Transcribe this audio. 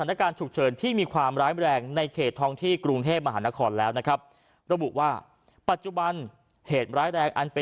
นนะฮะนับตั้งแต่มีการประกาศนะครับ